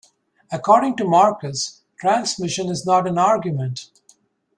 According to Marcus, 'Transmission' is not an argument.